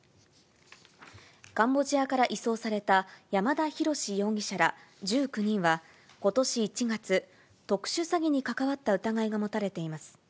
カンボジアから移送された山田大志容疑者ら１９人は、ことし１月、特殊詐欺に関わった疑いが持たれています。